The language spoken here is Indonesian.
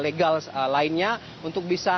legal lainnya untuk bisa